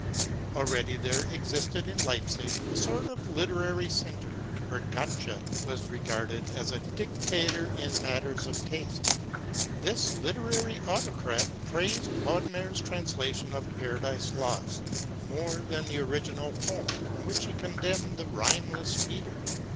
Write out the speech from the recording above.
Already there existed in Leipzig a sort of literary centre, where Gottsched was regarded as a dictator in matters of taste. This literary autocrat praised Bodmer's translation of 'Paradise Lost' more than the original poem, in which he condemned the rhymeless metre.